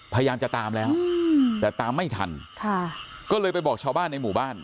พยายามจะตามแล้วแต่ตามไม่ทันค่ะก็เลยไปบอกชาวบ้านในหมู่บ้าน